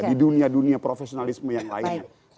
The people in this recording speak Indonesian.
di dunia dunia profesionalisme yang lainnya